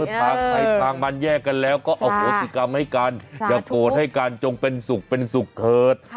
ทางสายทางมันแยกกันแล้วก็อโหสิกรรมให้กันอย่าโกรธให้กันจงเป็นสุขเป็นสุขเถิด